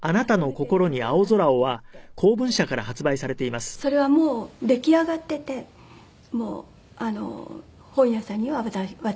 でそれはもう出来上がっててもう本屋さんには渡してあって。